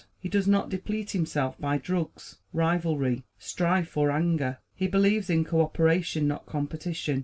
He does not deplete himself by drugs, rivalry, strife or anger. He believes in co operation, not competition.